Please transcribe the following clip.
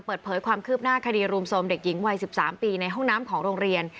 เปิดเผยความคืบหน้าคดีรุมโทรมเด็กหญิงวัย๑๓ปีในห้องน้ำของโรงเรียน